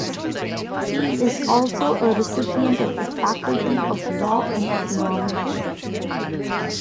She is also a recipient of the Faculty of Law and Economics.